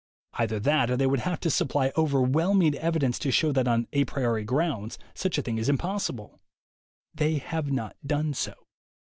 Either that, or they would have to Supply overwhelming evidence to show that on a priori grounds such a thing is impossible. They have not done so.